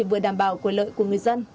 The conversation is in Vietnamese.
chỉ vừa đảm bảo quyền lợi của người dân